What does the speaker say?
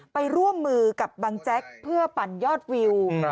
ไปร่วมมือกับบังแจ๊กเพื่อปั่นยอดวิว